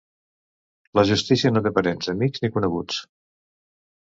La justícia no té parents, amics ni coneguts.